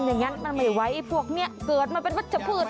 อย่างงั้นมันไม่ไว้พวกเนี้ยเกิดมาเป็นวัตถผืน